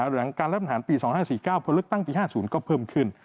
หลังการรัฐประหารปี๒๕๔๙พอเลือกตั้งปี๕๐ก็เพิ่มขึ้น